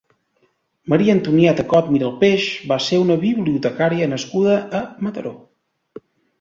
Maria Antonieta Cot Miralpeix va ser una bibliotecària nascuda a Mataró.